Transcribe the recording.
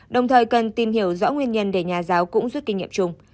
đồng thời cần tìm hiểu rõ nguyên nhân để nhà giáo cũng rút kinh nghiệm chung